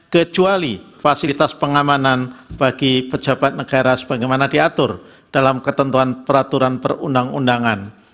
kecuali fasilitas pengamanan bagi pejabat negara sebagaimana diatur dalam ketentuan peraturan perundang undangan